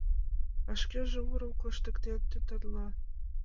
А шкеже урым коштыктен тӱтанла!